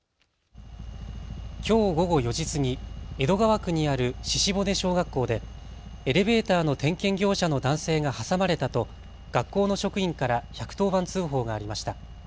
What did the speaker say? きょう午後４時過ぎ江戸川区にある鹿骨小学校でエレベーターの点検業者の男性が挟まれたと学校の職員から１１０番通報がありました。